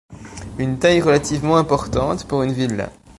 Une taille relativement importante pour une villa.